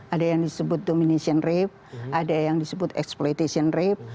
ada yang disebut domination rape ada yang disebut exploitation rape